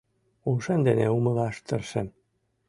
Ушем дене умылаш тыршем.